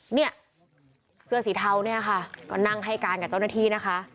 เนี่ยเสื้อสีเทาเนี่ยค่ะก็นั่งให้การกับเจ้าหน้าที่นะคะ